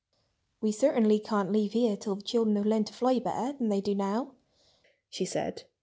"We certainly can't leave here till the children have learned to fly better than they do now," she said.